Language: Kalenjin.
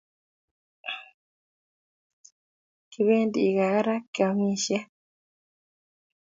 Kipendi kaa raa kamishen